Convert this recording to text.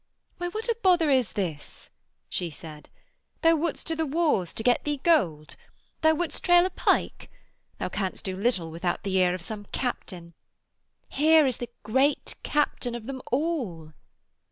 'Why what a bother is this,' she said. 'Thou wouldst to the wars to get thee gold? Thou wouldst trail a pike? Thou canst do little without the ear of some captain. Here is the great captain of them all.'